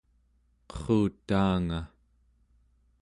qerrutaanga